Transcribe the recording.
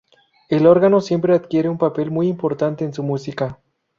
El órgano siempre adquiere un papel muy importante en su música.